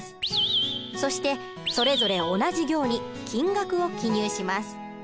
そしてそれぞれ同じ行に金額を記入します。